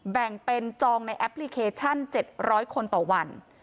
แบ่งเป็นจองในแอปพลิเคชัน๗๐๐คนต่อวัน